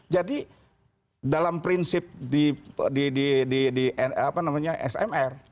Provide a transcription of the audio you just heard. jadi dalam prinsip di smr